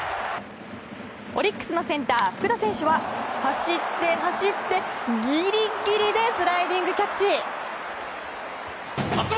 オリックスのセンター福田選手は走って、走って、ギリギリでスライディングキャッチ！